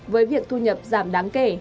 với việc thu nhập giảm đáng kể